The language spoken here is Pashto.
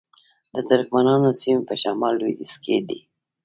د ترکمنانو سیمې په شمال لویدیځ کې دي